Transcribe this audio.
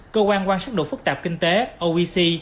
cơ quan quan sát độ phức tạp kinh tế oec